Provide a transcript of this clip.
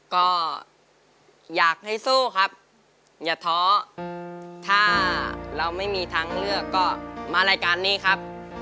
ก็อยากให้สู้ครับอย่าท้อถ้าเราไม่มีทางเลือกก็มารายการนี้ครับ